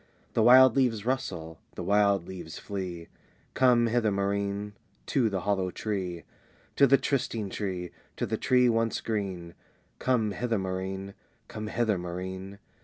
"The wild leaves rustle, the wild leaves flee Come hither, Maurine, to the hollow tree! "To the trysting tree, to the tree once green, Come hither, Maurine! come hither, Maurine!"...